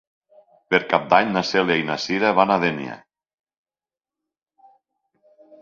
Per Cap d'Any na Cèlia i na Cira van a Dénia.